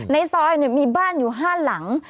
ในซอยมีบ้านอยู่๕หลัง